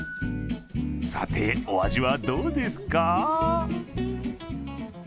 さて、お味はどうですか？